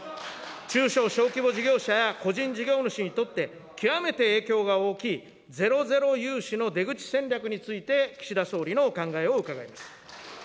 中小小規模事業者や個人事業主にとって、極めて影響が大きいゼロゼロ融資の出口戦略について岸田総理のお考えを伺います。